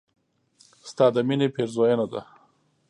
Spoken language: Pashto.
ستا د مينې پيرزوينه ده